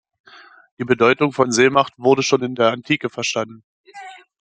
Die Bedeutung von Seemacht wurde schon in der Antike verstanden.